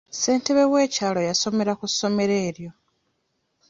Ssentebe w'ekyalo yasomera ku ssomero eryo.